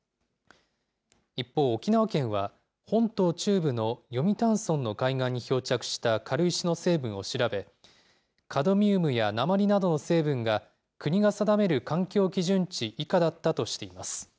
一方、沖縄県は、本島中部の読谷村の海岸に漂着した軽石の成分を調べ、カドミウムや鉛などの成分が、国が定める環境基準値以下だったとしています。